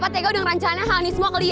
papa tega udah merancang hal ini semua ke lia